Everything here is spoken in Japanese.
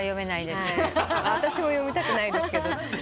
私も読みたくないですけど。